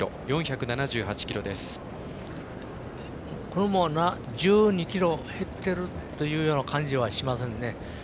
これも１２ｋｇ減ってるっていうような感じはしませんね。